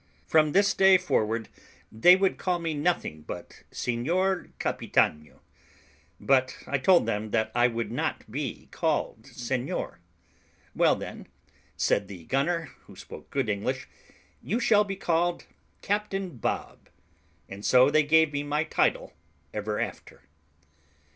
From this day forward they would call me nothing but Seignior Capitanio; but I told them I would not be called seignior. "Well, then," said the gunner, who spoke good English, "you shall be called Captain Bob;" and so they gave me my title ever after.